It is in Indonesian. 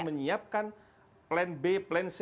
menyiapkan plan b plan c